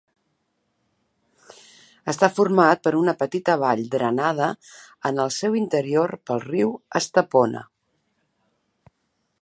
Està format per una petita vall drenada en el seu interior pel riu Estepona.